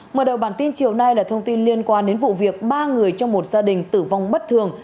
mở đầu bản tin chiều nay là thông tin liên quan đến vụ việc ba người trong một gia đình tử vong bất thường